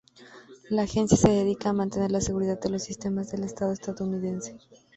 La agencia se dedica a mantener la seguridad de los sistemas del estado estadounidense.